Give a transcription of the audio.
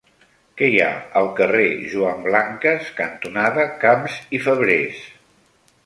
Què hi ha al carrer Joan Blanques cantonada Camps i Fabrés?